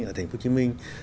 ở thành phố hồ chí minh